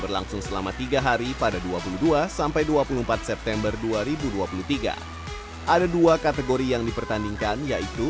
berlangsung selama tiga hari pada dua puluh dua sampai dua puluh empat september dua ribu dua puluh tiga ada dua kategori yang dipertandingkan yaitu